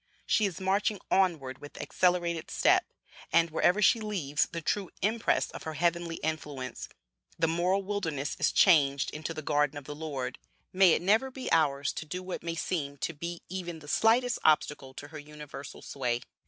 She is marching onward with accelerated step, and, wherever she leaves the true impress of her heavenly influence, the moral wilderness is changed into the garden of the Lord. May it never be ours to do what may seem to be even the slightest obstacle to her universal sway.